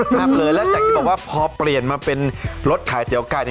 มากเลยแล้วอย่างที่บอกว่าพอเปลี่ยนมาเป็นรถขายเตี๋ยวไก่